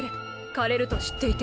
枯れると知っていて。